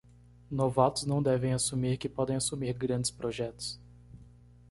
Novatos não devem assumir que podem assumir grandes projetos.